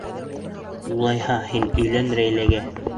Улайһа, һин өйлән Рәйләгә.